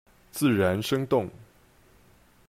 自然生動